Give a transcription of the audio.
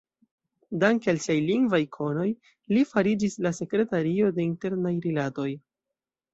Danke al siaj lingvaj konoj, li fariĝis la sekretario de Internaj Rilatoj.